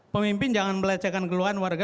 pemimpin jangan melecehkan keluhan warga